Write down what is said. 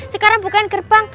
sekarang bukain gerbang